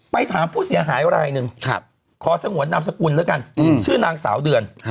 ไปถามผู้เสียหายอะไรหนึ่งขอสงวนทำซักกุลด้วยกันชื่อนางเสาร์เดือน